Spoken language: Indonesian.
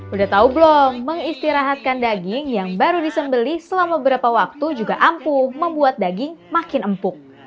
udah tahu belum mengistirahatkan daging yang baru disembeli selama beberapa waktu juga ampuh membuat daging makin empuk